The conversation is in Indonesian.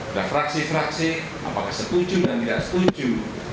ada fraksi fraksi apakah setuju dan tidak setuju